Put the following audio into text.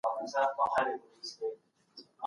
د ارغنداب سیند اوبه د ميوو خوږوالی زیاتوي.